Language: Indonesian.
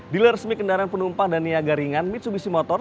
bila resmi kendaraan penumpang dan niaga ringan mitsubishi motor